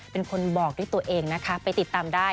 เป็นคนบอกด้วยตัวเองนะคะไปติดตามได้